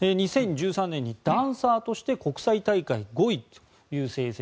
２０１３年にダンサーとして国際大会５位という成績。